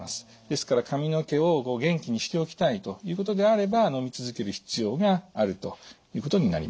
ですから髪の毛を元気にしておきたいということであればのみ続ける必要があるということになります。